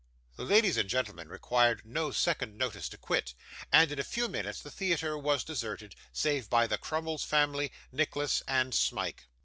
The ladies and gentlemen required no second notice to quit; and, in a few minutes, the theatre was deserted, save by the Crummles family, Nicholas, and Smike.